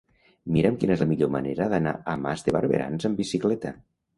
Mira'm quina és la millor manera d'anar a Mas de Barberans amb bicicleta.